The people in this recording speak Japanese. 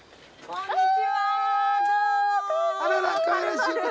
こんにちは。